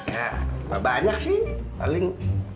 ya nggak banyak sih paling dua ratus